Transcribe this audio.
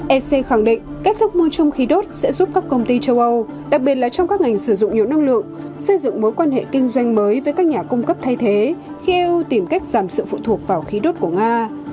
ec khẳng định cách thức mua chung khí đốt sẽ giúp các công ty châu âu đặc biệt là trong các ngành sử dụng nhiều năng lượng xây dựng mối quan hệ kinh doanh mới với các nhà cung cấp thay thế khi eu tìm cách giảm sự phụ thuộc vào khí đốt của nga